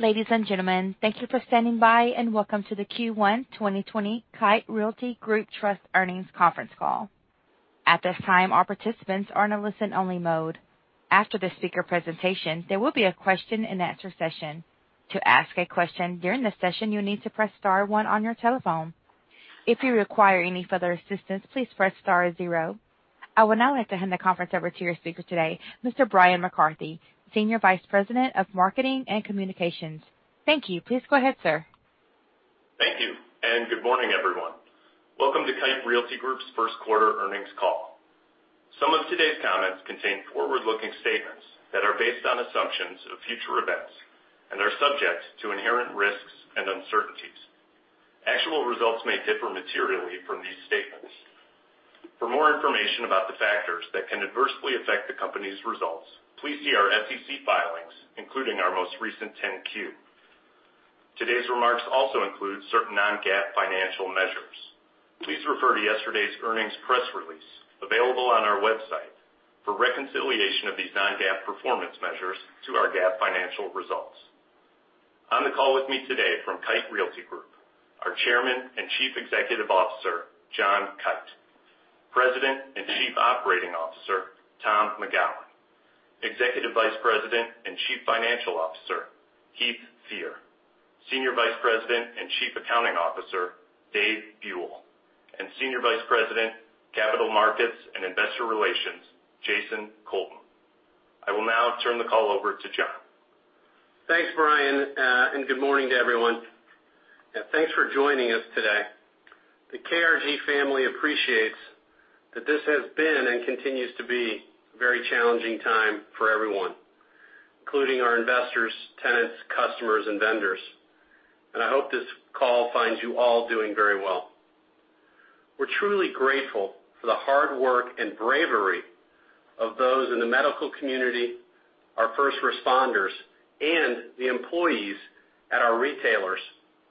Ladies and gentlemen, thank you for standing by, and welcome to the Q1 2020 Kite Realty Group Trust Earnings Conference Call. At this time, all participants are in a listen-only mode. After the speaker presentation, there will be a question-and-answer session. To ask a question during the session, you need to press star one on your telephone. If you require any further assistance, please press star zero. I would now like to hand the conference over to your speaker today, Mr. Bryan McCarthy, Senior Vice President of Marketing and Communications. Thank you. Please go ahead, sir. Thank you, and good morning, everyone. Welcome to Kite Realty Group's first quarter earnings call. Some of today's comments contain forward-looking statements that are based on assumptions of future events and are subject to inherent risks and uncertainties. Actual results may differ materially from these statements. For more information about the factors that can adversely affect the company's results, please see our SEC filings, including our most recent 10-Q. Today's remarks also include certain non-GAAP financial measures. Please refer to yesterday's earnings press release, available on our website, for reconciliation of these non-GAAP performance measures to our GAAP financial results. On the call with me today from Kite Realty Group, our Chairman and Chief Executive Officer, John Kite, President and Chief Operating Officer, Tom McGowan, Executive Vice President and Chief Financial Officer, Heath Fear, Senior Vice President and Chief Accounting Officer, Dave Buell, and Senior Vice President, Capital Markets and Investor Relations, Jason Colton. I will now turn the call over to John. Thanks, Bryan, and good morning to everyone. Thanks for joining us today. The KRG family appreciates that this has been and continues to be a very challenging time for everyone, including our investors, tenants, customers, and vendors. I hope this call finds you all doing very well. We're truly grateful for the hard work and bravery of those in the medical community, our first responders, and the employees at our retailers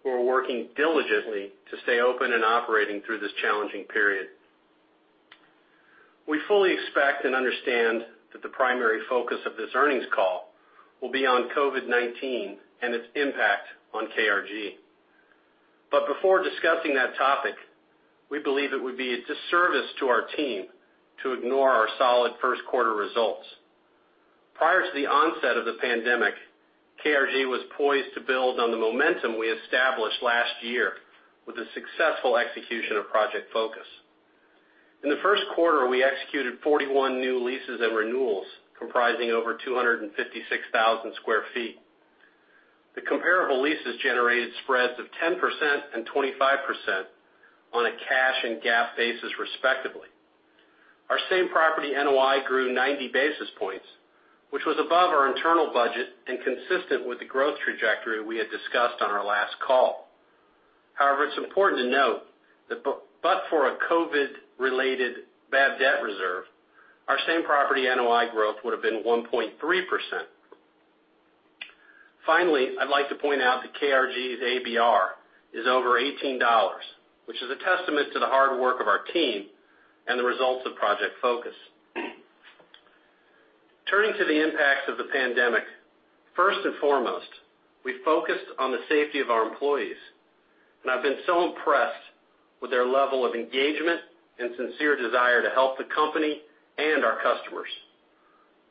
who are working diligently to stay open and operating through this challenging period. We fully expect and understand that the primary focus of this earnings call will be on COVID-19 and its impact on KRG. Before discussing that topic, we believe it would be a disservice to our team to ignore our solid first quarter results. Prior to the onset of the pandemic, KRG was poised to build on the momentum we established last year with the successful execution of Project Focus. In the first quarter, we executed 41 new leases and renewals comprising over 256,000 sq ft. The comparable leases generated spreads of 10% and 25% on a cash and GAAP basis respectively. Our same property NOI grew 90 basis points, which was above our internal budget and consistent with the growth trajectory we had discussed on our last call. It's important to note that, but for a COVID-related bad debt reserve, our same property NOI growth would've been 1.3%. Finally, I'd like to point out that KRG's ABR is over $18, which is a testament to the hard work of our team and the results of Project Focus. Turning to the impacts of the pandemic. First and foremost, we focused on the safety of our employees, and I've been so impressed with their level of engagement and sincere desire to help the company and our customers.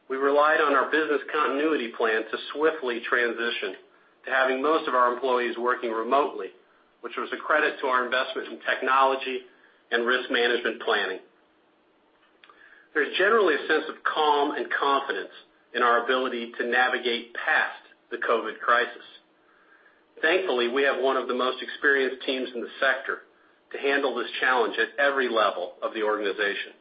We relied on our business continuity plan to swiftly transition to having most of our employees working remotely, which was a credit to our investment in technology and risk management planning. There's generally a sense of calm and confidence in our ability to navigate past the COVID crisis. Thankfully, we have one of the most experienced teams in the sector to handle this challenge at every level of the organization.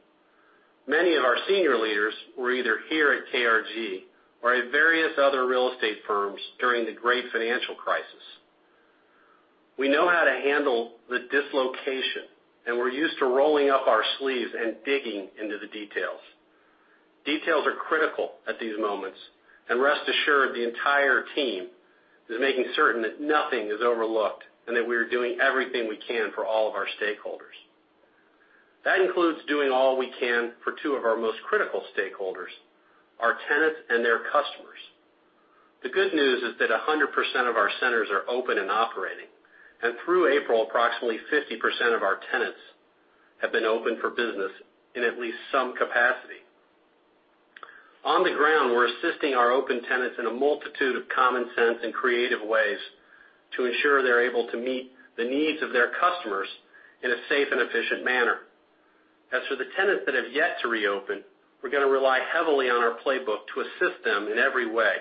Many of our senior leaders were either here at KRG or at various other real estate firms during the great financial crisis. We know how to handle the dislocation, and we're used to rolling up our sleeves and digging into the details. Details are critical at these moments. Rest assured, the entire team is making certain that nothing is overlooked and that we are doing everything we can for all of our stakeholders. That includes doing all we can for two of our most critical stakeholders, our tenants and their customers. The good news is that 100% of our centers are open and operating. Through April, approximately 50% of our tenants have been open for business in at least some capacity. On the ground, we're assisting our open tenants in a multitude of common sense and creative ways to ensure they're able to meet the needs of their customers in a safe and efficient manner. As for the tenants that have yet to reopen, we're going to rely heavily on our playbook to assist them in every way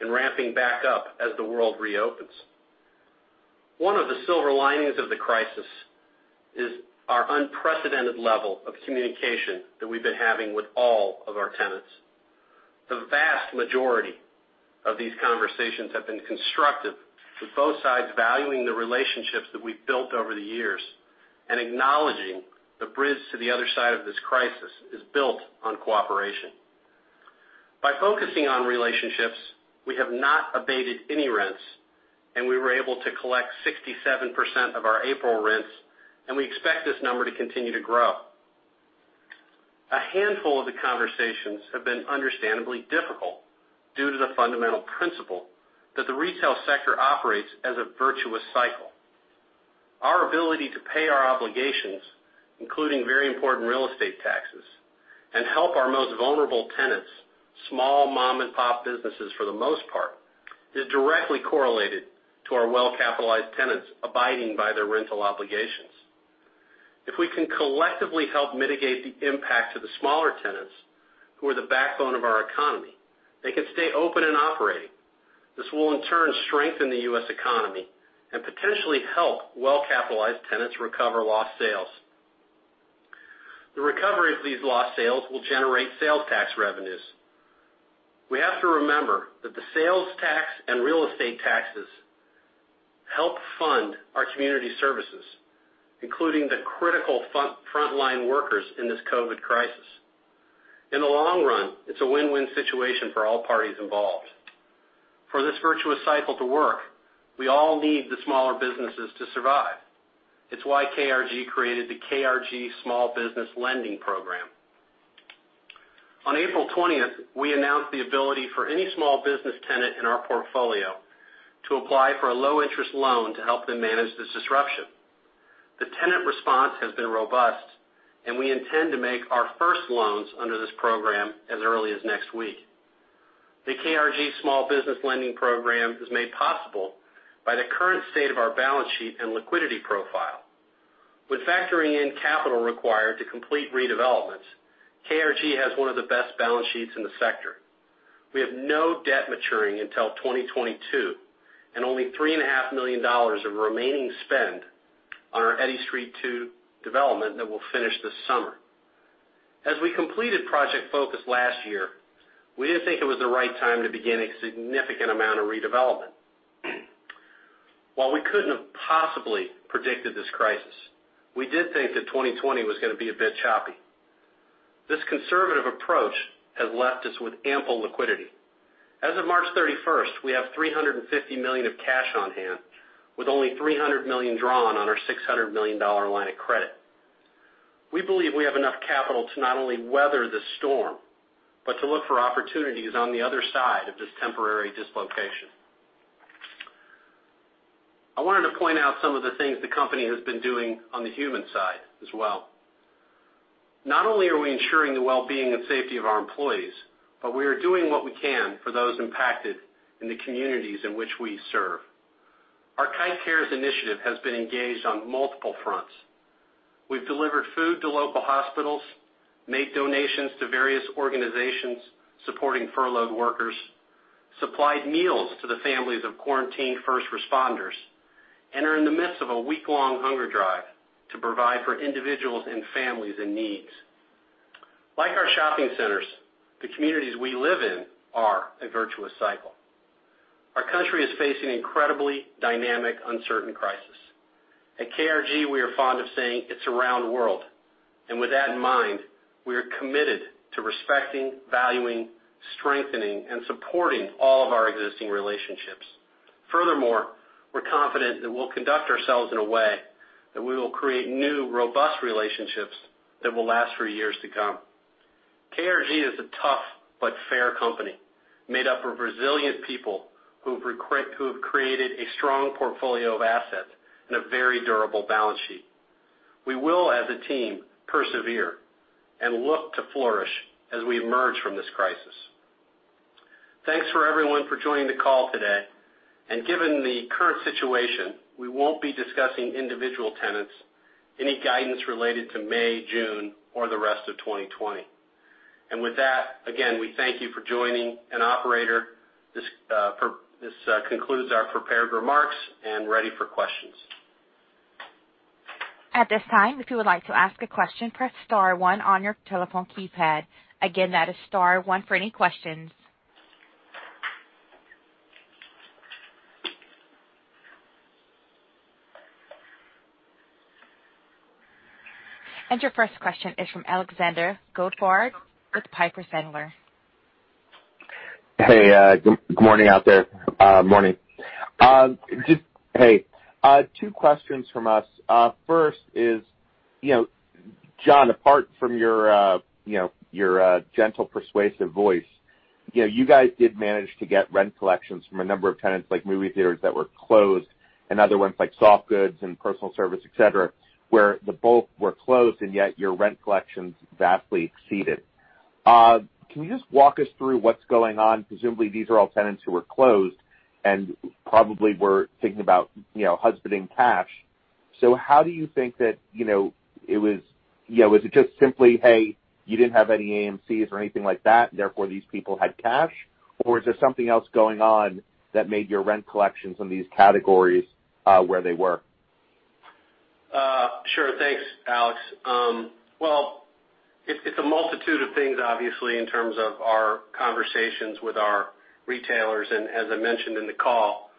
in ramping back up as the world reopens. One of the silver linings of the crisis is our unprecedented level of communication that we've been having with all of our tenants. The vast majority of these conversations have been constructive, with both sides valuing the relationships that we've built over the years and acknowledging the bridge to the other side of this crisis is built on cooperation. By focusing on relationships, we have not abated any rents, and we were able to collect 67% of our April rents, and we expect this number to continue to grow. A handful of the conversations have been understandably difficult due to the fundamental principle that the retail sector operates as a virtuous cycle. Our ability to pay our obligations, including very important real estate taxes, and help our most vulnerable tenants, small mom-and-pop businesses for the most part, is directly correlated to our well-capitalized tenants abiding by their rental obligations. If we can collectively help mitigate the impact to the smaller tenants, who are the backbone of our economy, they can stay open and operating. This will in turn strengthen the U.S. economy and potentially help well-capitalized tenants recover lost sales. The recovery of these lost sales will generate sales tax revenues. We have to remember that the sales tax and real estate taxes help fund our community services, including the critical frontline workers in this COVID crisis. In the long run, it's a win-win situation for all parties involved. For this virtuous cycle to work, we all need the smaller businesses to survive. It's why KRG created the KRG Small Business Lending Program. On April 20th, we announced the ability for any small business tenant in our portfolio to apply for a low-interest loan to help them manage this disruption. The tenant response has been robust, and we intend to make our first loans under this program as early as next week. The KRG Small Business Lending Program is made possible by the current state of our balance sheet and liquidity profile. With factoring in capital required to complete redevelopments, KRG has one of the best balance sheets in the sector. We have no debt maturing until 2022, and only $3.5 million of remaining spend on our Eddy Street 2 development that will finish this summer. As we completed Project Focus last year, we didn't think it was the right time to begin a significant amount of redevelopment. While we couldn't have possibly predicted this crisis, we did think that 2020 was going to be a bit choppy. This conservative approach has left us with ample liquidity. As of March 31st, we have $350 million of cash on hand, with only $300 million drawn on our $600 million line of credit. We believe we have enough capital to not only weather this storm, but to look for opportunities on the other side of this temporary dislocation. I wanted to point out some of the things the company has been doing on the human side as well. Not only are we ensuring the well-being and safety of our employees, but we are doing what we can for those impacted in the communities in which we serve. Our Kite Cares initiative has been engaged on multiple fronts. We've delivered food to local hospitals, made donations to various organizations supporting furloughed workers, supplied meals to the families of quarantined first responders, and are in the midst of a week-long hunger drive to provide for individuals and families in need. Like our shopping centers, the communities we live in are a virtuous cycle. Our country is facing incredibly dynamic, uncertain crisis. At KRG, we are fond of saying, "It's a round world." With that in mind, we are committed to respecting, valuing, strengthening, and supporting all of our existing relationships. Furthermore, we're confident that we'll conduct ourselves in a way that we will create new, robust relationships that will last for years to come. KRG is a tough but fair company, made up of resilient people who have created a strong portfolio of assets and a very durable balance sheet. We will, as a team, persevere and look to flourish as we emerge from this crisis. Thanks for everyone for joining the call today. Given the current situation, we won't be discussing individual tenants, any guidance related to May, June, or the rest of 2020. With that, again, we thank you for joining. Operator, this concludes our prepared remarks and ready for questions. At this time, if you would like to ask a question, press star one on your telephone keypad. Again, that is star one for any questions. Your first question is from Alexander Goldfarb with Piper Sandler. Good morning out there. Morning. Hey. Two questions from us. First is, John, apart from your gentle, persuasive voice, you guys did manage to get rent collections from a number of tenants like movie theaters that were closed, and other ones like soft goods and personal service, et cetera, where both were closed and yet your rent collections vastly exceeded. Can you just walk us through what's going on? Presumably, these are all tenants who were closed and probably were thinking about husbanding cash. How do you think that it was it just simply, hey, you didn't have any AMCs or anything like that, therefore these people had cash? Is there something else going on that made your rent collections on these categories where they were? Sure. Thanks, Alex. Well, it's a multitude of things, obviously, in terms of our conversations with our retailers. As I mentioned in the call,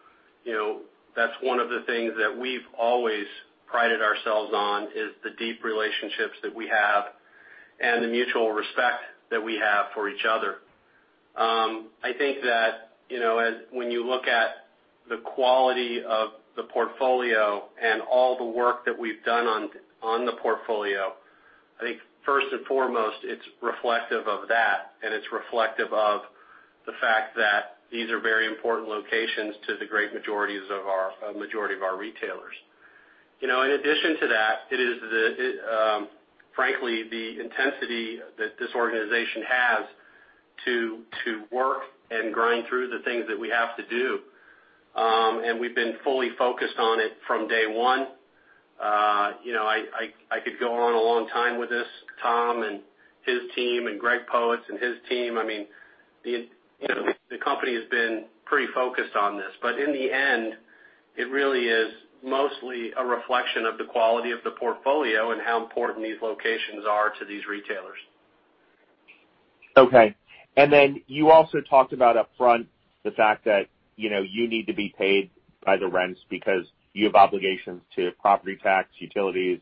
that's one of the things that we've always prided ourselves on is the deep relationships that we have and the mutual respect that we have for each other. I think that when you look at the quality of the portfolio and all the work that we've done on the portfolio, I think first and foremost, it's reflective of that, and it's reflective of the fact that these are very important locations to the great majority of our retailers. In addition to that, it is frankly the intensity that this organization has to work and grind through the things that we have to do. We've been fully focused on it from day one. I could go on a long time with this, Tom and his team, and Greg Poetz and his team. The company has been pretty focused on this. In the end, it really is mostly a reflection of the quality of the portfolio and how important these locations are to these retailers. Okay. You also talked about upfront the fact that you need to be paid by the rents because you have obligations to property tax, utilities,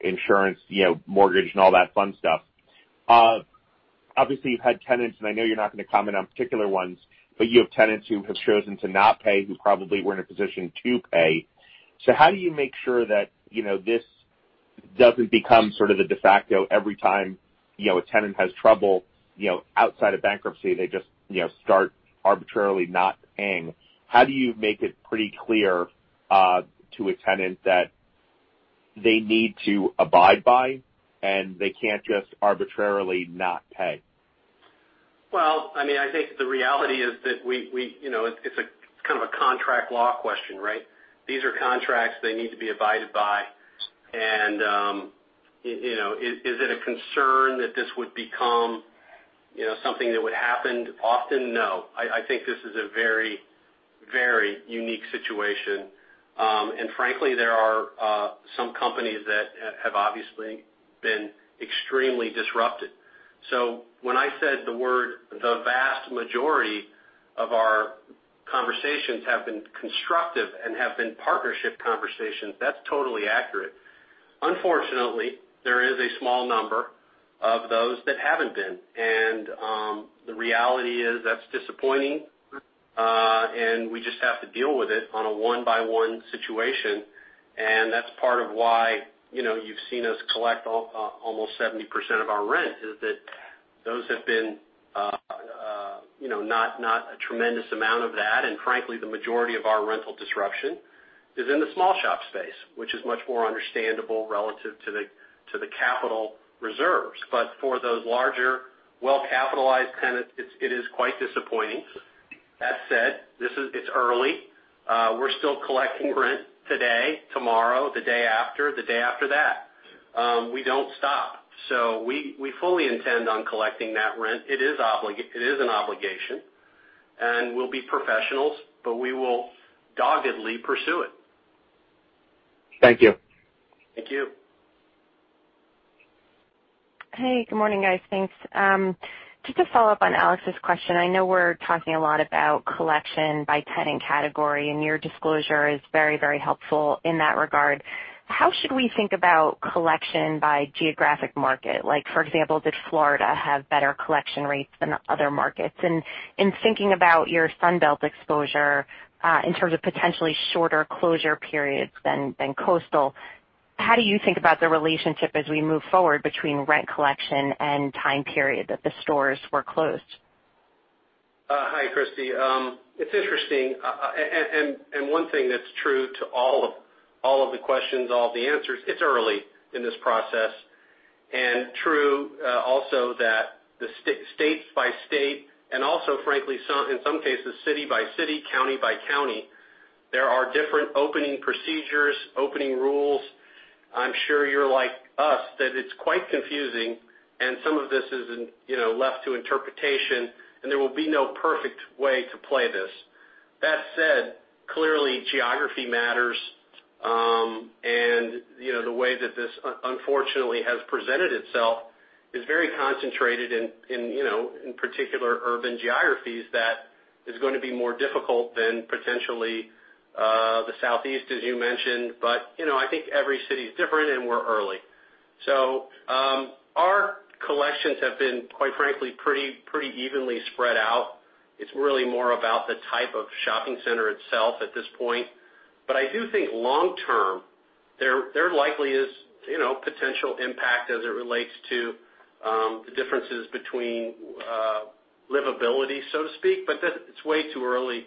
insurance, mortgage, and all that fun stuff. Obviously, you've had tenants, and I know you're not going to comment on particular ones, but you have tenants who have chosen to not pay who probably were in a position to pay. How do you make sure that this doesn't become sort of the de facto every time a tenant has trouble outside of bankruptcy, they just start arbitrarily not paying. How do you make it pretty clear to a tenant that they need to abide by, and they can't just arbitrarily not pay? Well, I think the reality is that it's kind of a contract law question, right? These are contracts they need to be abided by. Is it a concern that this would become something that would happen often? No. I think this is a very unique situation. Frankly, there are some companies that have obviously been extremely disrupted. When I said the word, the vast majority of our conversations have been constructive and have been partnership conversations, that's totally accurate. Unfortunately, there is a small number of those that haven't been. The reality is that's disappointing, and we just have to deal with it on a one-by-one situation. That's part of why you've seen us collect almost 70% of our rent, is that those have been not a tremendous amount of that. Frankly, the majority of our rental disruption is in the small shop space, which is much more understandable relative to the capital reserves. For those larger, well-capitalized tenants, it is quite disappointing. That said, it's early. We're still collecting rent today, tomorrow, the day after, the day after that. We don't stop. We fully intend on collecting that rent. It is an obligation, and we'll be professionals, but we will doggedly pursue it. Thank you. Thank you. Good morning, guys. Thanks. Just to follow up on Alex's question, I know we're talking a lot about collection by tenant category, and your disclosure is very helpful in that regard. How should we think about collection by geographic market? Like for example, did Florida have better collection rates than other markets? In thinking about your Sun Belt exposure, in terms of potentially shorter closure periods than Coastal, how do you think about the relationship as we move forward between rent collection and time period that the stores were closed? Hi, Christy. It's interesting, and one thing that's true to all of the questions, all of the answers, it's early in this process. True, also that the state by state and also frankly, in some cases, city by city, county by county, there are different opening procedures, opening rules. I'm sure you're like us, that it's quite confusing and some of this is left to interpretation, and there will be no perfect way to play this. That said, clearly geography matters. The way that this unfortunately has presented itself is very concentrated in particular urban geographies that is going to be more difficult than potentially, the Southeast, as you mentioned. I think every city is different, and we're early. Our collections have been, quite frankly, pretty evenly spread out. It's really more about the type of shopping center itself at this point. I do think long-term, there likely is potential impact as it relates to the differences between livability, so to speak. It's way too early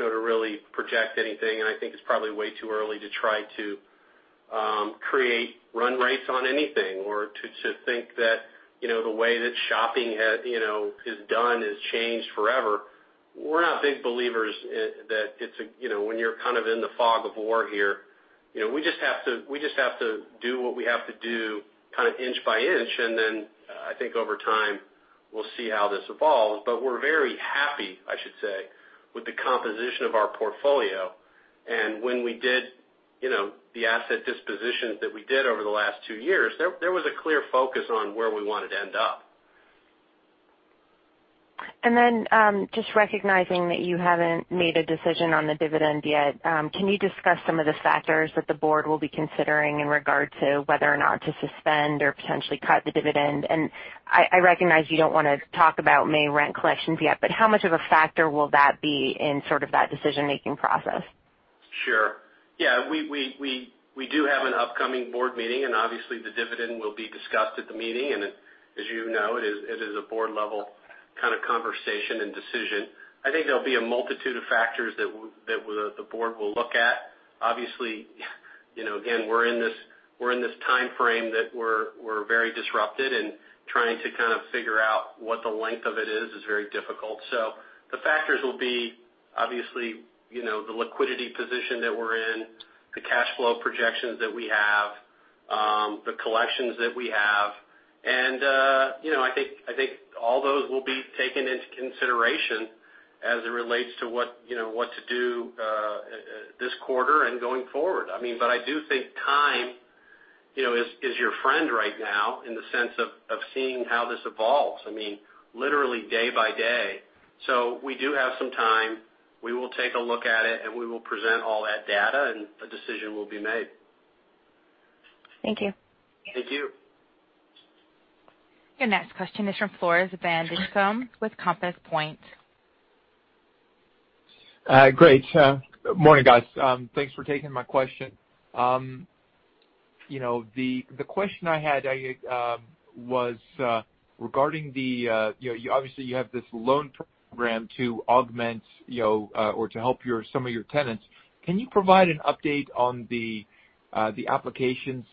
to really project anything, and I think it's probably way too early to try to create run rates on anything or to think that the way that shopping is done is changed forever. We're not big believers that when you're kind of in the fog of war here. We just have to do what we have to do kind of inch by inch, and then I think over time, we'll see how this evolves. We're very happy, I should say, with the composition of our portfolio. When we did the asset dispositions that we did over the last two years, there was a clear focus on where we wanted to end up. Just recognizing that you haven't made a decision on the dividend yet, can you discuss some of the factors that the board will be considering in regard to whether or not to suspend or potentially cut the dividend? I recognize you don't want to talk about May rent collections yet, but how much of a factor will that be in sort of that decision-making process? Sure. Yeah. We do have an upcoming board meeting. Obviously, the dividend will be discussed at the meeting. As you know, it is a board level kind of conversation and decision. I think there will be a multitude of factors that the board will look at. Obviously, again, we are in this timeframe that we are very disrupted and trying to kind of figure out what the length of it is very difficult. The factors will be obviously, the liquidity position that we are in, the cash flow projections that we have, the collections that we have, and I think all those will be taken into consideration as it relates to what to do this quarter and going forward. I do think time is your friend right now in the sense of seeing how this evolves. Literally day by day. We do have some time. We will take a look at it, and we will present all that data, and a decision will be made. Thank you. Thank you. Your next question is from Floris van Dijkum with Compass Point. Great. Morning, guys. Thanks for taking my question. The question I had was regarding the Obviously you have this loan program to augment or to help some of your tenants. Can you provide an update on the applications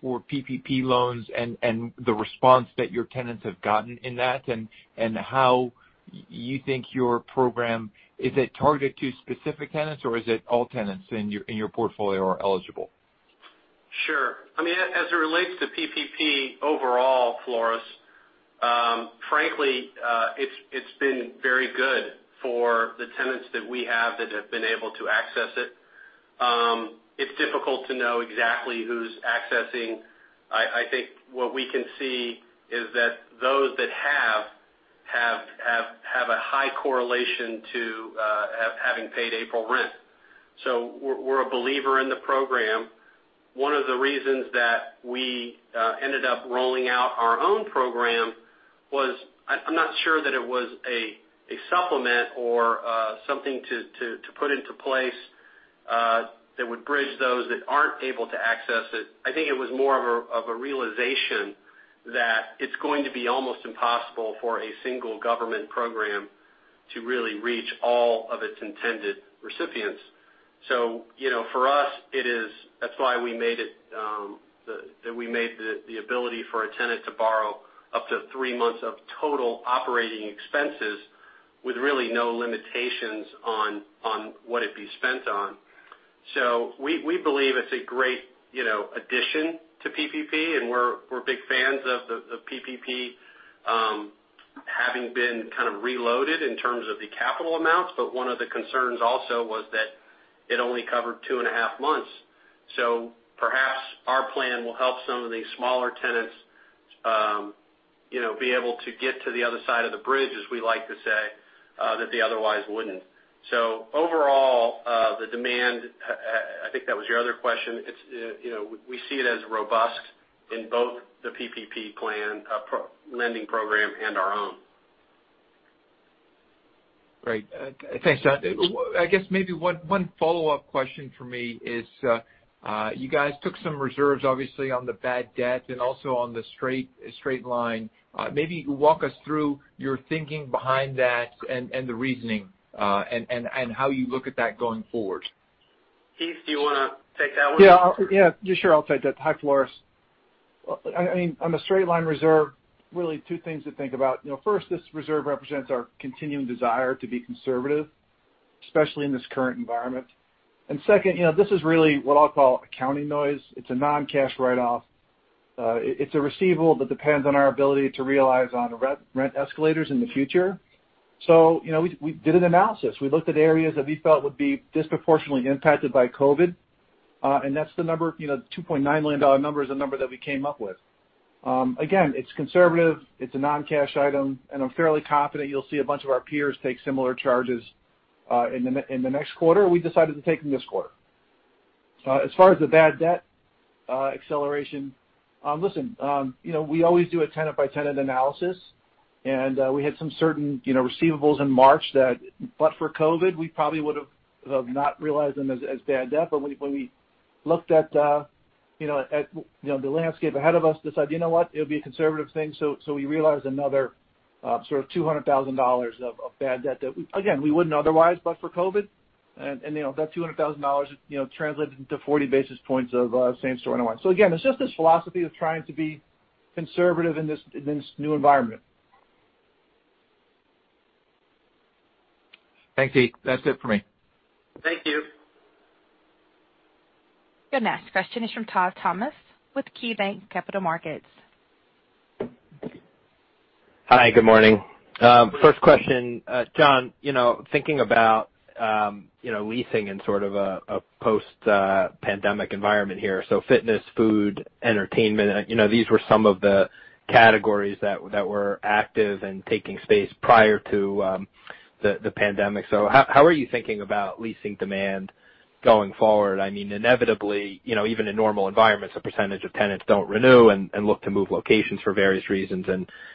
for PPP loans and the response that your tenants have gotten in that, and how you think your program, is it targeted to specific tenants, or is it all tenants in your portfolio are eligible? Sure. As it relates to PPP overall, Floris, frankly, it's been very good for the tenants that we have that have been able to access it. It's difficult to know exactly who's accessing. I think what we can see is that those that have a high correlation to having paid April rent. We're a believer in the program. One of the reasons that we ended up rolling out our own program was, I'm not sure that it was a supplement or something to put into place that would bridge those that aren't able to access it. I think it was more of a realization that it's going to be almost impossible for a single government program to really reach all of its intended recipients. For us, that's why we made the ability for a tenant to borrow up to three months of total operating expenses with really no limitations on what it be spent on. We believe it's a great addition to PPP, and we're big fans of PPP having been kind of reloaded in terms of the capital amounts. One of the concerns also was that it only covered 2.5 months. Perhaps our plan will help some of these smaller tenants be able to get to the other side of the bridge, as we like to say, that they otherwise wouldn't. Overall, the demand, I think that was your other question, we see it as robust in both the PPP plan lending program and our own. Great. Thanks, John. I guess maybe one follow-up question from me is, you guys took some reserves obviously on the bad debt and also on the straight line. Maybe walk us through your thinking behind that and the reasoning, and how you look at that going forward. Heath, do you want to take that one? Yeah. Sure, I'll take that. Hi, Floris. On the straight line reserve, really two things to think about. First, this reserve represents our continuing desire to be conservative, especially in this current environment. Second, this is really what I'll call accounting noise. It's a non-cash write-off. It's a receivable that depends on our ability to realize on rent escalators in the future. We did an analysis. We looked at areas that we felt would be disproportionately impacted by COVID. That's the number, the $2.9 million number is the number that we came up with. Again, it's conservative, it's a non-cash item, and I'm fairly confident you'll see a bunch of our peers take similar charges in the next quarter. We decided to take them this quarter. As far as the bad debt acceleration, listen, we always do a tenant-by-tenant analysis, and we had some certain receivables in March that, but for COVID, we probably would've not realized them as bad debt. When we looked at the landscape ahead of us, decided, you know what, it'll be a conservative thing, so we realized another sort of $200,000 of bad debt that, again, we wouldn't otherwise but for COVID. That $200,000 translated into 40 basis points of same store NOI. Again, it's just this philosophy of trying to be conservative in this new environment. Thanks, Heath. That's it for me. Thank you. Your next question is from Todd Thomas with KeyBanc Capital Markets. Hi, good morning. First question, John, thinking about leasing in sort of a post-pandemic environment here. Fitness, food, entertainment, these were some of the categories that were active and taking space prior to the pandemic. How are you thinking about leasing demand going forward? Inevitably, even in normal environments, a percentage of tenants don't renew and look to move locations for various reasons,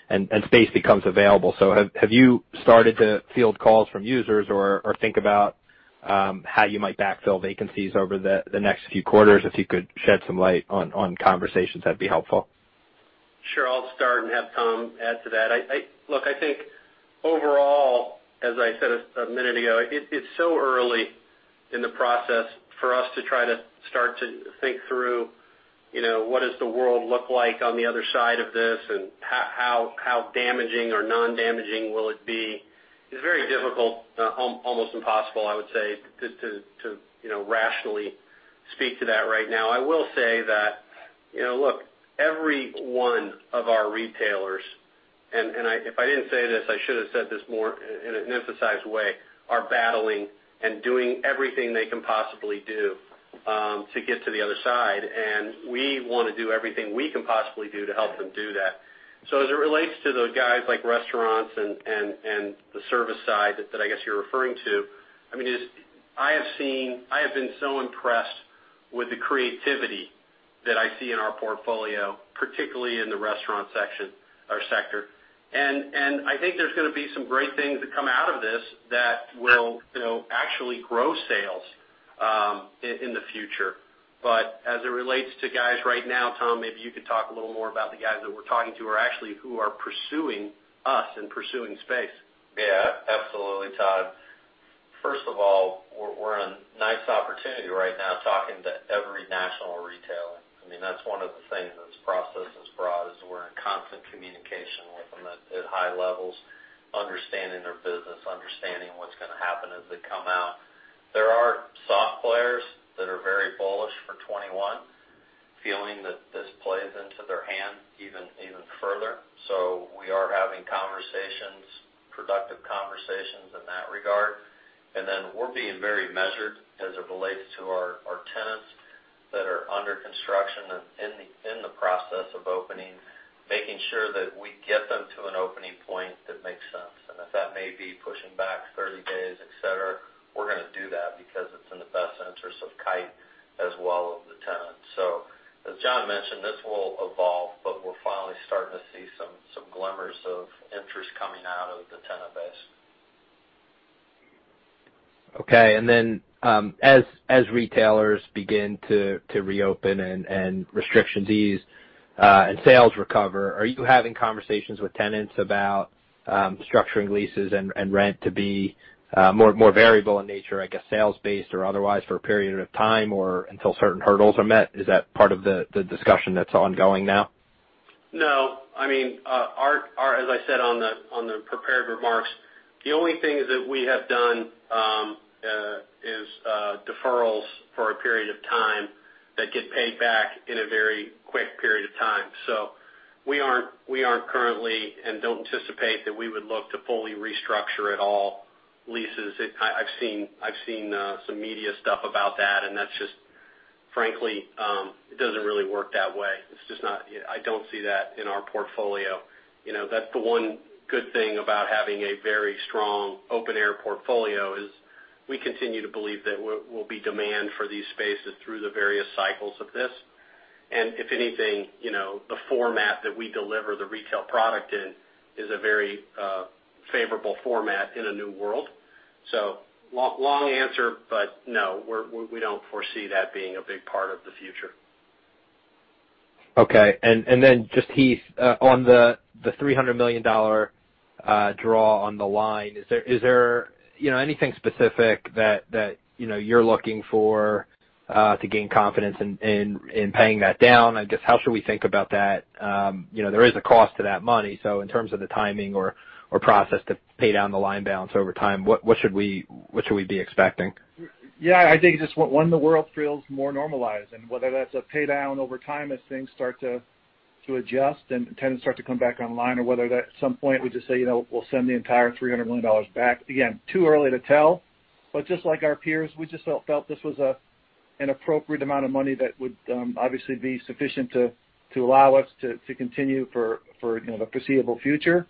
and space becomes available. Have you started to field calls from users or think about how you might backfill vacancies over the next few quarters? If you could shed some light on conversations, that would be helpful. Sure. I'll start and have Tom add to that. Look, I think overall, as I said a minute ago, it's so early in the process for us to try to start to think through, what does the world look like on the other side of this, and how damaging or non-damaging will it be? It's very difficult, almost impossible, I would say, to rationally speak to that right now. I will say that, look, every one of our retailers, and if I didn't say this, I should have said this more in an emphasized way, are battling and doing everything they can possibly do to get to the other side. We want to do everything we can possibly do to help them do that. As it relates to those guys like restaurants and the service side that I guess you're referring to, I have been so impressed with the creativity that I see in our portfolio, particularly in the restaurant section or sector. I think there's going to be some great things that come out of this that will actually grow sales in the future. As it relates to guys right now, Tom, maybe you could talk a little more about the guys that we're talking to or actually who are pursuing us and pursuing space. Yeah. Absolutely, Todd. First of all, we're in a nice opportunity right now talking to every national retailer. That's one of the things this process has brought is we're in constant communication with them at high levels, understanding their business, understanding what's going to happen as they come out. There are soft players that are very bullish for 2021, feeling that this plays into their hand even further. We are having productive conversations in that regard. We're being very measured as it relates to our tenants that are under construction and in the process of opening, making sure that we get them to an opening point that makes sense. If that may be pushing back 30 days, et cetera, we're going to do that because it's in the best interest of Kite as well as the tenant. As John mentioned, this will evolve, but we're finally starting to see some glimmers of interest coming out of the tenant base. Okay. As retailers begin to reopen and restrictions ease, and sales recover, are you having conversations with tenants about structuring leases and rent to be more variable in nature, I guess sales-based or otherwise for a period of time or until certain hurdles are met? Is that part of the discussion that's ongoing now? No. As I said on the prepared remarks, the only things that we have done is deferrals for a period of time that get paid back in a very quick period of time. We aren't currently, and don't anticipate that we would look to fully restructure at all leases. I've seen some media stuff about that just frankly, it doesn't really work that way. I don't see that in our portfolio. That's the one good thing about having a very strong open air portfolio is we continue to believe that will be demand for these spaces through the various cycles of this. If anything, the format that we deliver the retail product in is a very favorable format in a new world. Long answer, no, we don't foresee that being a big part of the future. Okay. Just, Heath, on the $300 million draw on the line, is there anything specific that you're looking for to gain confidence in paying that down? I guess how should we think about that? There is a cost to that money. In terms of the timing or process to pay down the line balance over time, what should we be expecting? Yeah, I think just when the world feels more normalized and whether that's a pay down over time as things start to adjust and tenants start to come back online, or whether that at some point we just say, we'll send the entire $300 million back. Too early to tell, but just like our peers, we just felt this was an appropriate amount of money that would obviously be sufficient to allow us to continue for the foreseeable future.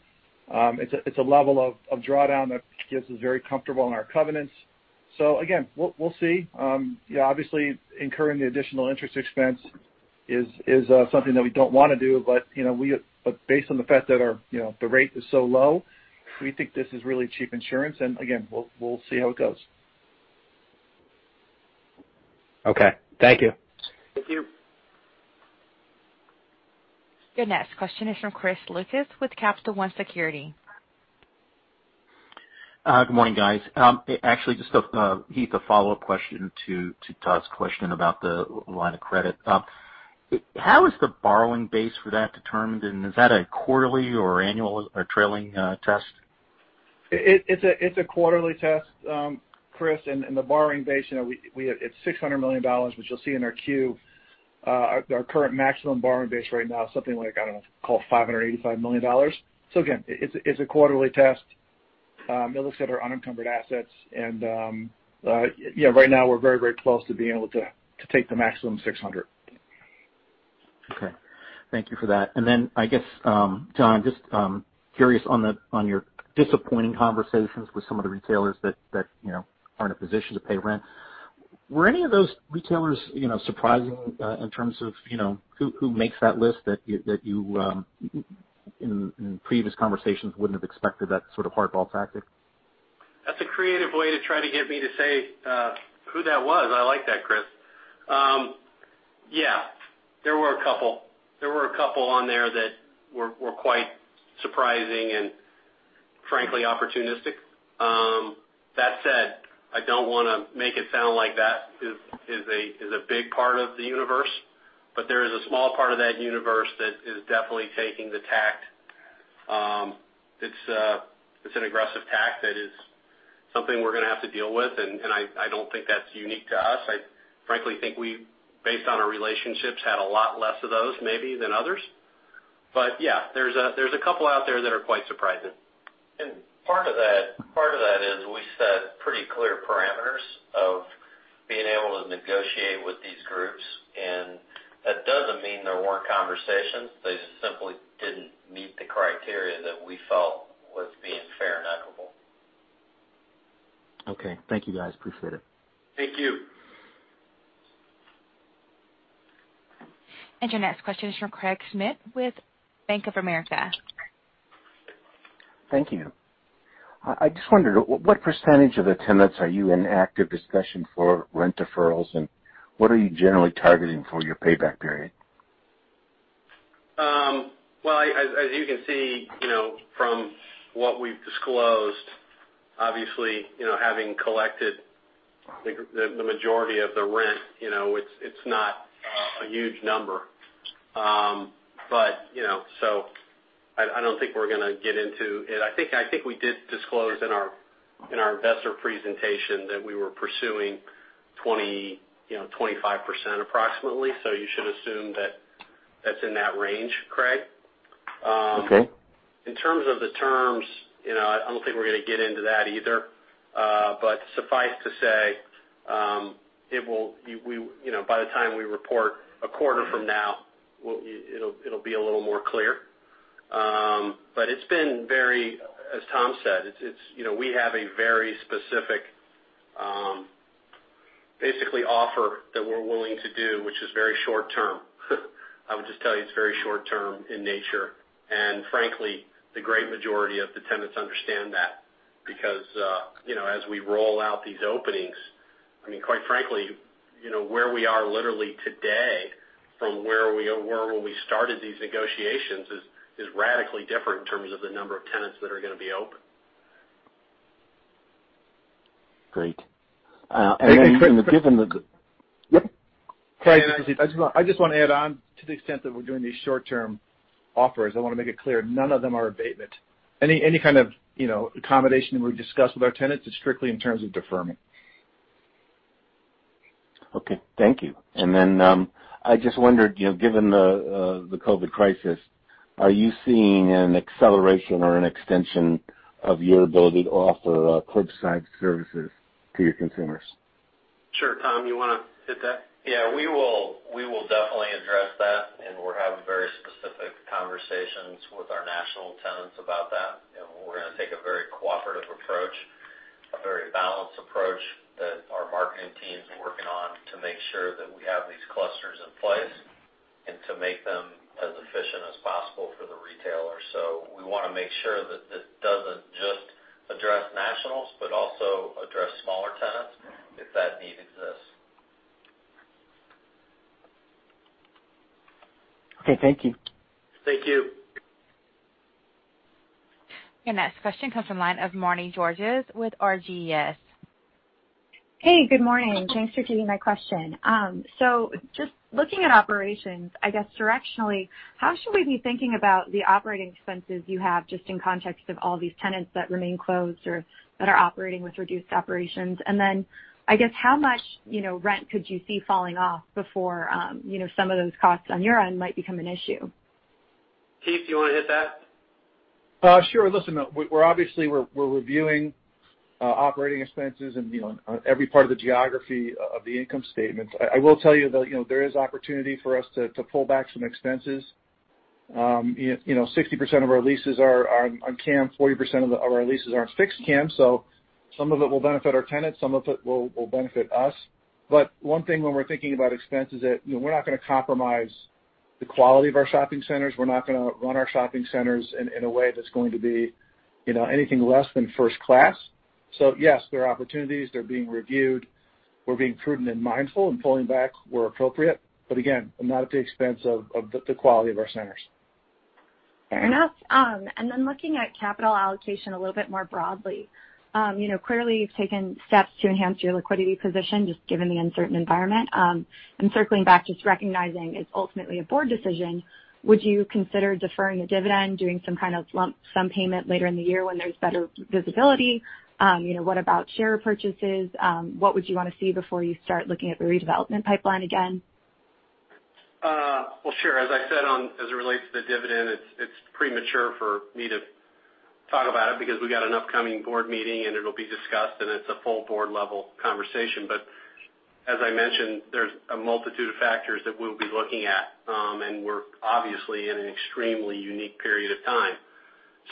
It's a level of drawdown that keeps us very comfortable in our covenants. Again, we'll see. Obviously incurring the additional interest expense is something that we don't want to do. Based on the fact that the rate is so low, we think this is really cheap insurance. Again, we'll see how it goes. Okay. Thank you. Thank you. Your next question is from Chris Lucas with Capital One Securities. Good morning, guys. Actually just, Heath, a follow-up question to Todd's question about the line of credit. How is the borrowing base for that determined, and is that a quarterly or annual or trailing test? It's a quarterly test, Chris, the borrowing base, it's $600 million, which you'll see in our 10-Q. Our current maximum borrowing base right now is something like, I don't know, call it $585 million. Again, it's a quarterly test. It looks at our unencumbered assets. Right now we're very close to being able to take the maximum $600. Okay. Thank you for that. I guess, John, just curious on your disappointing conversations with some of the retailers that aren't in a position to pay rent. Were any of those retailers surprising in terms of who makes that list that you, in previous conversations wouldn't have expected that sort of hardball tactic? A creative way to try to get me to say who that was. I like that, Chris. Yeah, there were a couple. There were a couple on there that were quite surprising and frankly, opportunistic. That said, I don't want to make it sound like that is a big part of the universe, but there is a small part of that universe that is definitely taking the tack. It's an aggressive tack that is something we're going to have to deal with, and I don't think that's unique to us. I frankly think we, based on our relationships, had a lot less of those maybe than others. Yeah, there's a couple out there that are quite surprising. Part of that is we set pretty clear parameters of being able to negotiate with these groups. That doesn't mean there weren't conversations. They just simply didn't meet the criteria that we felt was being fair and equitable. Okay. Thank you guys. Appreciate it. Thank you. Your next question is from Craig Schmidt with Bank of America. Thank you. I just wondered, what percentage of the tenants are you in active discussion for rent deferrals, and what are you generally targeting for your payback period? Well, as you can see from what we've disclosed, obviously, having collected the majority of the rent, it's not a huge number. I don't think we're gonna get into it. I think we did disclose in our investor presentation that we were pursuing 25% approximately. You should assume that's in that range, Craig. Okay. In terms of the terms, I don't think we're gonna get into that either. Suffice to say, by the time we report a quarter from now, it'll be a little more clear. It's been very, as Tom said, we have a very specific basically offer that we're willing to do, which is very short-term. I would just tell you, it's very short-term in nature, and frankly, the great majority of the tenants understand that because, as we roll out these openings, I mean, quite frankly, where we are literally today from where we started these negotiations is radically different in terms of the number of tenants that are going to be open. Great. yep. Craig, I just want to add on to the extent that we're doing these short-term offers, I want to make it clear none of them are abatement. Any kind of accommodation that we've discussed with our tenants is strictly in terms of deferment. Okay. Thank you. Then, I just wondered, given the COVID crisis, are you seeing an acceleration or an extension of your ability to offer curbside services to your consumers? Sure. Tom, you want to hit that? Yeah, we will definitely address that, and we're having very specific conversations with our national tenants about that. We're going to take a very cooperative approach, a very balanced approach that our marketing team's working on to make sure that we have these clusters in place and to make them as efficient as possible for the retailer. We want to make sure that this doesn't just address nationals, but also address smaller tenants if that need exists. Okay. Thank you. Thank you. Your next question comes from the line of Marnie Georges with RGS. Hey, good morning. Thanks for taking my question. Just looking at operations, I guess directionally, how should we be thinking about the operating expenses you have just in context of all these tenants that remain closed or that are operating with reduced operations? I guess, how much rent could you see falling off before some of those costs on your end might become an issue? Heath, do you want to hit that? Sure. Listen, we're obviously reviewing operating expenses and on every part of the geography of the income statement. I will tell you that there is opportunity for us to pull back some expenses. 60% of our leases are on CAM, 40% of our leases are on fixed CAM, so some of it will benefit our tenants, some of it will benefit us. One thing when we're thinking about expense is that we're not going to compromise the quality of our shopping centers. We're not going to run our shopping centers in a way that's going to be anything less than first class. Yes, there are opportunities. They're being reviewed. We're being prudent and mindful and pulling back where appropriate. Again, not at the expense of the quality of our centers. Fair enough. Then looking at capital allocation a little bit more broadly. Clearly, you've taken steps to enhance your liquidity position, just given the uncertain environment. Circling back, just recognizing it's ultimately a board decision, would you consider deferring the dividend, doing some kind of lump sum payment later in the year when there's better visibility? What about share purchases? What would you want to see before you start looking at the redevelopment pipeline again? Well, sure. As I said, as it relates to the dividend, it's premature for me to talk about it because we got an upcoming board meeting, it'll be discussed, it's a full board level conversation. As I mentioned, there's a multitude of factors that we'll be looking at. We're obviously in an extremely unique period of time.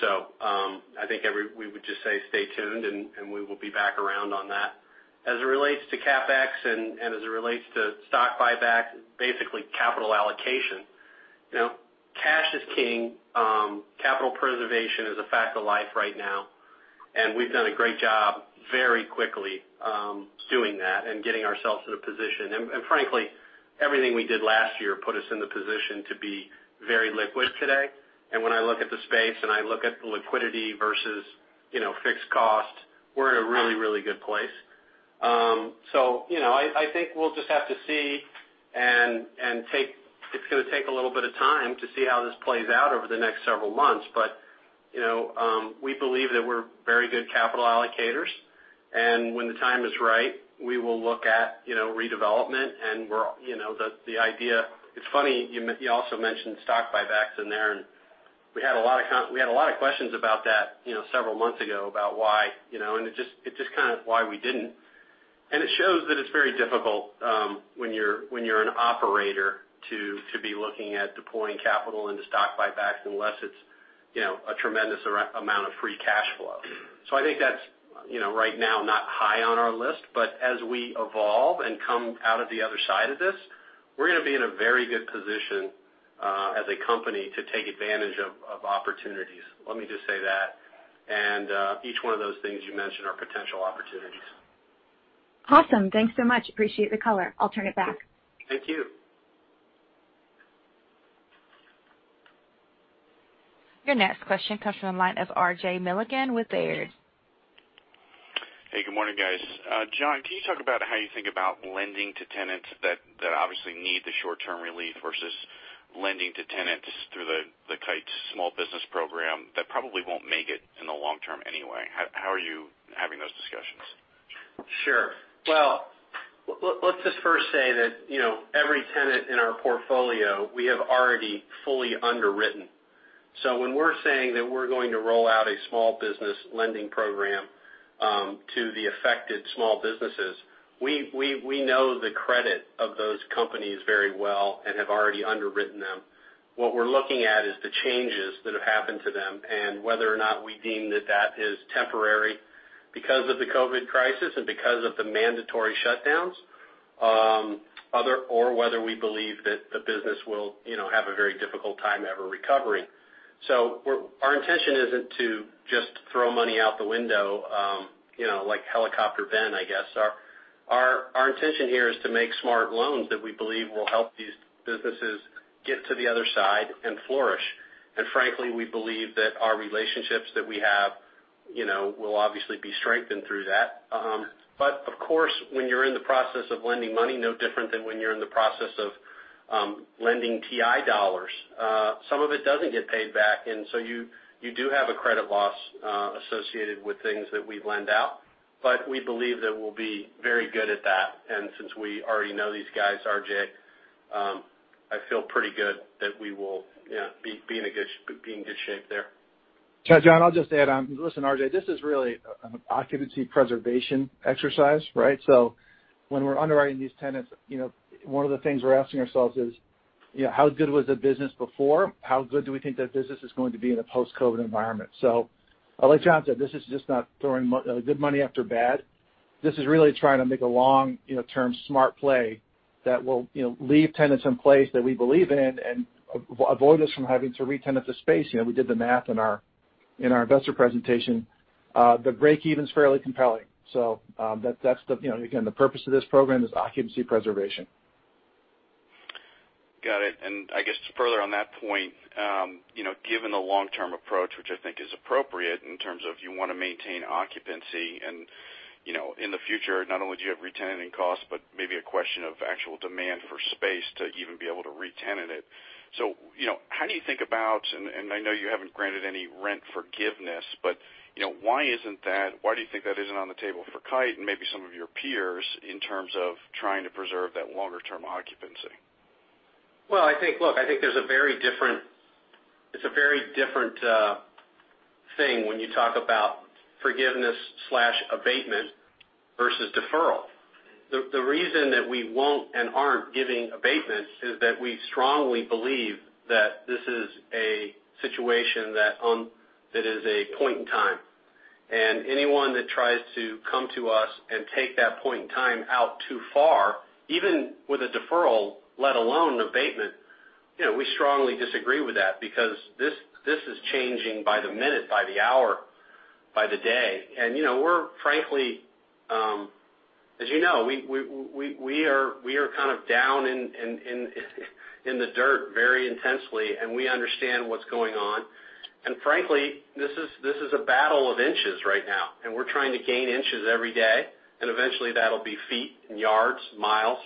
I think we would just say stay tuned, we will be back around on that. As it relates to CapEx and as it relates to stock buyback, basically capital allocation, you know. Capital preservation is a fact of life right now, we've done a great job very quickly doing that and getting ourselves in a position. Frankly, everything we did last year put us in the position to be very liquid today. When I look at the space and I look at the liquidity versus fixed cost, we're in a really, really good place. I think we'll just have to see, and it's going to take a little bit of time to see how this plays out over the next several months. We believe that we're very good capital allocators, and when the time is right, we will look at redevelopment. It's funny, you also mentioned stock buybacks in there, and we had a lot of questions about that several months ago about why we didn't. It shows that it's very difficult, when you're an operator, to be looking at deploying capital into stock buybacks unless it's a tremendous amount of free cash flow. I think that's, right now, not high on our list, but as we evolve and come out of the other side of this, we're going to be in a very good position, as a company, to take advantage of opportunities. Let me just say that. Each one of those things you mentioned are potential opportunities. Awesome. Thanks so much. Appreciate the color. I'll turn it back. Thank you. Your next question comes from the line of R.J. Milligan with Baird. Hey, good morning, guys. John, can you talk about how you think about lending to tenants that obviously need the short-term relief versus lending to tenants through the Kite Small Business Program that probably won't make it in the long-term anyway. How are you having those discussions? Sure. Well, let's just first say that every tenant in our portfolio we have already fully underwritten. When we're saying that we're going to roll out a small business lending program to the affected small businesses, we know the credit of those companies very well and have already underwritten them. What we're looking at is the changes that have happened to them and whether or not we deem that that is temporary because of the COVID crisis and because of the mandatory shutdowns, or whether we believe that the business will have a very difficult time ever recovering. Our intention isn't to just throw money out the window like Helicopter Ben, I guess. Our intention here is to make smart loans that we believe will help these businesses get to the other side and flourish. Frankly, we believe that our relationships that we have will obviously be strengthened through that. Of course, when you're in the process of lending money, no different than when you're in the process of lending TI dollars, some of it doesn't get paid back, and so you do have a credit loss associated with things that we lend out. We believe that we'll be very good at that. Since we already know these guys, R.J., I feel pretty good that we will be in good shape there. John, I'll just add on. Listen, R.J., this is really an occupancy preservation exercise, right? When we're underwriting these tenants, one of the things we're asking ourselves is, how good was the business before? How good do we think that business is going to be in a post-COVID environment? Like John said, this is just not throwing good money after bad. This is really trying to make a long-term smart play that will leave tenants in place that we believe in and avoid us from having to re-tenant the space. We did the math in our investor presentation. The breakeven's fairly compelling. Again, the purpose of this program is occupancy preservation. Got it. I guess further on that point, given the long-term approach, which I think is appropriate in terms of you want to maintain occupancy and in the future, not only do you have re-tenanting costs, but maybe a question of actual demand for space to even be able to re-tenant it. How do you think about, and I know you haven't granted any rent forgiveness, but why do you think that isn't on the table for Kite and maybe some of your peers in terms of trying to preserve that longer-term occupancy? Well, look, I think it's a very different thing when you talk about forgiveness/abatement versus deferral. The reason that we won't and aren't giving abatements is that we strongly believe that this is a situation that is a point in time. Anyone that tries to come to us and take that point in time out too far, even with a deferral, let alone abatement, we strongly disagree with that because this is changing by the minute, by the hour, by the day. We're frankly, as you know, we are kind of down in the dirt very intensely, and we understand what's going on. Frankly, this is a battle of inches right now, and we're trying to gain inches every day, and eventually that'll be feet and yards, miles.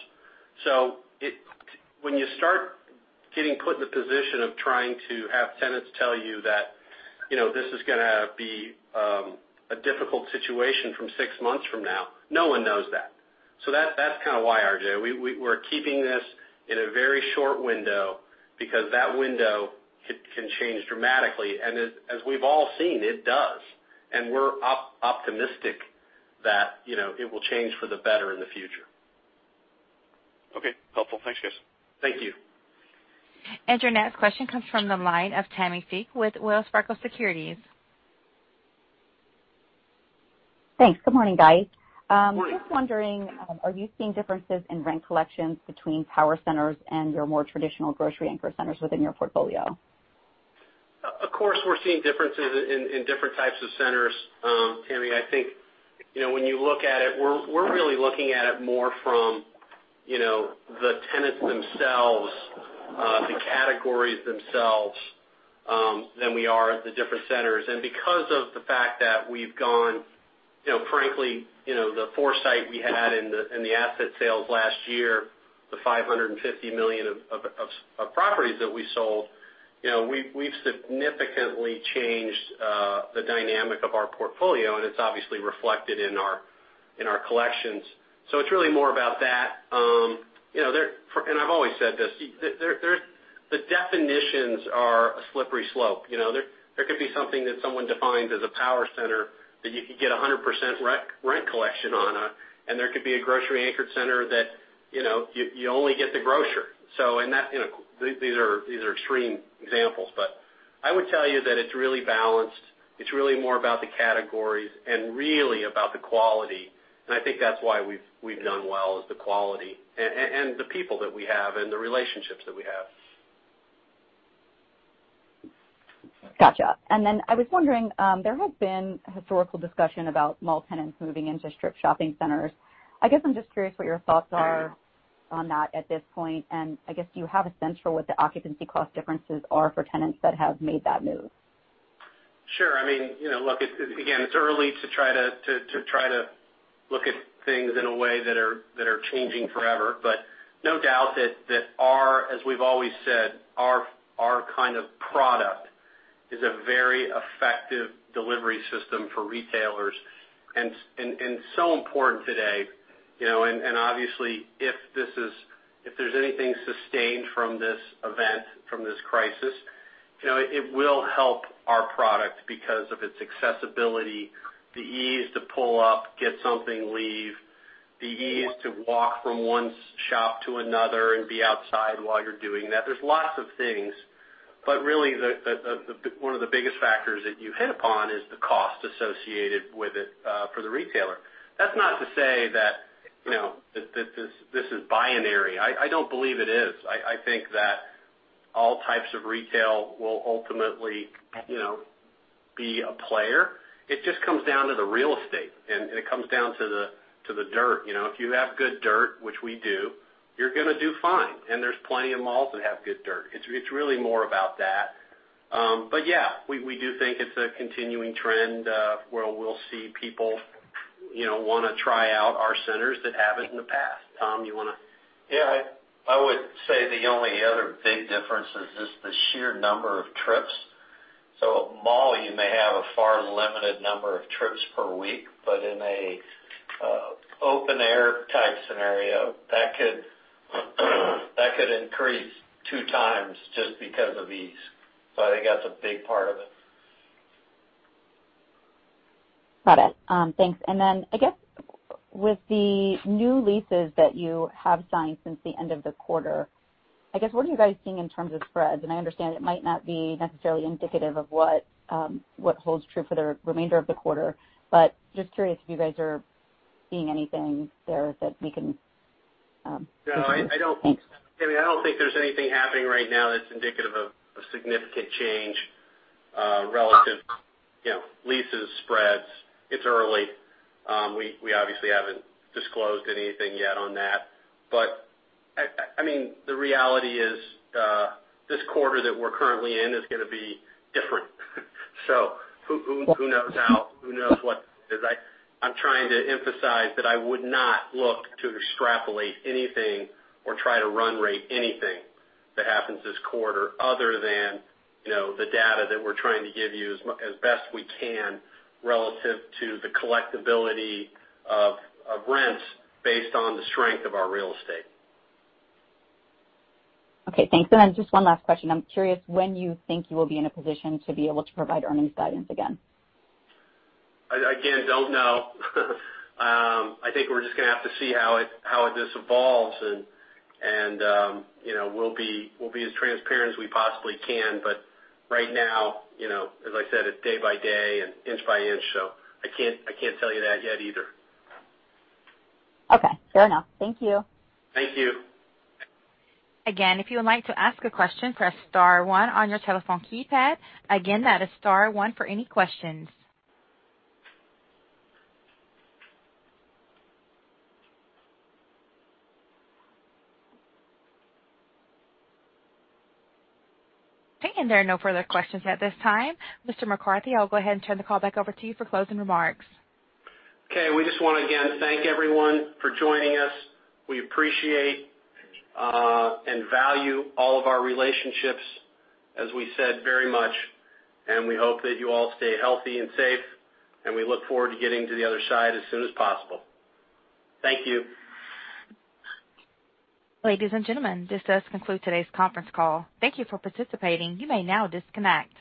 When you start getting put in the position of trying to have tenants tell you that this is going to be a difficult situation from six months from now, no one knows that. That's kind of why, R.J., we're keeping this in a very short window because that window can change dramatically. As we've all seen, it does. We're optimistic that it will change for the better in the future. Okay. Helpful. Thanks, guys. Thank you. Your next question comes from the line of Tammy Fique with Wells Fargo Securities. Thanks. Good morning, guys. Morning. Just wondering, are you seeing differences in rent collections between power centers and your more traditional grocery anchor centers within your portfolio? We're seeing differences in different types of centers, Tammy. I think when you look at it, we're really looking at it more from the tenants themselves, the categories themselves, than we are the different centers. Because of the fact that we've gone, frankly, the foresight we had in the asset sales last year, the $550 million of properties that we sold, we've significantly changed the dynamic of our portfolio, and it's obviously reflected in our collections. It's really more about that. I've always said this. The definitions are a slippery slope. There could be something that someone defines as a power center that you could get 100% rent collection on, and there could be a grocery anchored center that you only get the grocer. These are extreme examples, I would tell you that it's really balanced. It's really more about the categories and really about the quality, and I think that's why we've done well, is the quality and the people that we have and the relationships that we have. Got you. I was wondering, there has been historical discussion about mall tenants moving into strip shopping centers. I guess I'm just curious what your thoughts are on that at this point. I guess, do you have a sense for what the occupancy cost differences are for tenants that have made that move? Sure. Look, again, it's early to try to look at things in a way that are changing forever. No doubt that as we've always said, our kind of product is a very effective delivery system for retailers, and so important today. Obviously if there's anything sustained from this event, from this crisis, it will help our product because of its accessibility, the ease to pull up, get something, leave, the ease to walk from one shop to another and be outside while you're doing that. There's lots of things, but really one of the biggest factors that you hit upon is the cost associated with it for the retailer. That's not to say that this is binary. I don't believe it is. I think that all types of retail will ultimately be a player. It just comes down to the real estate, and it comes down to the dirt. If you have good dirt, which we do, you're going to do fine. There's plenty of malls that have good dirt. It's really more about that. Yeah, we do think it's a continuing trend, where we'll see people want to try out our centers that haven't in the past. Tom, you want to Yeah, I would say the only other big difference is just the sheer number of trips. A mall, you may have a far limited number of trips per week, but in a open air type scenario, that could increase two times just because of ease. I think that's a big part of it. Got it. Thanks. I guess with the new leases that you have signed since the end of the quarter, what are you guys seeing in terms of spreads? I understand it might not be necessarily indicative of what holds true for the remainder of the quarter, but just curious if you guys are seeing anything there that we can. No. Thanks. Tammy, I don't think there's anything happening right now that's indicative of a significant change relative to leases, spreads. It's early. We obviously haven't disclosed anything yet on that. The reality is, this quarter that we're currently in is going to be different. I'm trying to emphasize that I would not look to extrapolate anything or try to run rate anything that happens this quarter other than the data that we're trying to give you as best we can relative to the collectibility of rents based on the strength of our real estate. Okay, thanks. Just one last question. I'm curious when you think you will be in a position to be able to provide earnings guidance again. I, again, don't know. I think we're just going to have to see how this evolves, and we'll be as transparent as we possibly can. Right now as I said, it's day by day and inch by inch. I can't tell you that yet either. Okay. Fair enough. Thank you. Thank you. If you would like to ask a question, press star one on your telephone keypad. That is star one for any questions. There are no further questions at this time. Mr. McCarthy, I'll go ahead and turn the call back over to you for closing remarks. Okay. We just want to, again, thank everyone for joining us. We appreciate and value all of our relationships, as we said, very much, and we hope that you all stay healthy and safe, and we look forward to getting to the other side as soon as possible. Thank you. Ladies and gentlemen, this does conclude today's conference call. Thank you for participating. You may now disconnect.